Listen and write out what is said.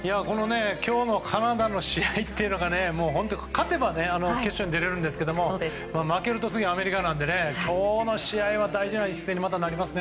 今日のカナダの試合が勝てば決勝に出れるんですけど負けると次はアメリカなので今日の試合は大事な一戦にまたなりますね。